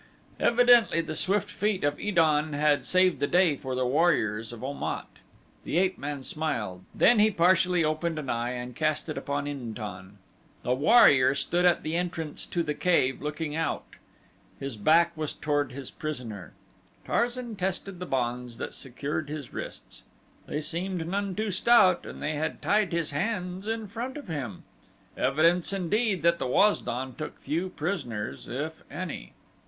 Evidently the swift feet of Id an had saved the day for the warriors of Om at. The ape man smiled, then he partially opened an eye and cast it upon In tan. The warrior stood at the entrance to the cave looking out his back was toward his prisoner. Tarzan tested the bonds that secured his wrists. They seemed none too stout and they had tied his hands in front of him! Evidence indeed that the Waz don took few prisoners if any.